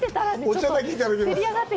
お茶だけいただきます。